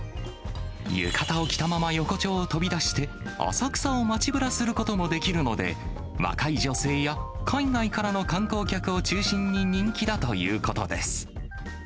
浴衣を着たまま横丁を飛び出して、浅草を街ブラすることもできるので、若い女性や海外からの観光客を中心に人気だということです。